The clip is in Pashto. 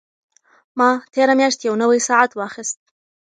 ما تېره میاشت یو نوی ساعت واخیست.